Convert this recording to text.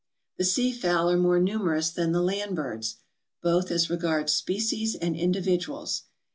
The sea fowl are more numerous than the land birds, both as regards species and individuals.